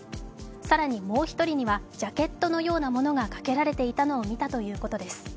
更にもう１人にはジャケットのようなものがかけられていたのを見たということです。